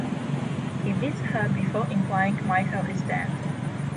He beats her before implying Michael is dead.